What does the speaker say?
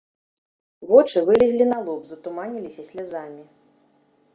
Вочы вылезлі на лоб, затуманіліся слязамі.